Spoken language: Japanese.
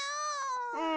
うん。